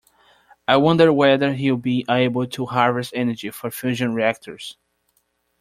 I wonder whether we will be able to harvest energy from fusion reactors.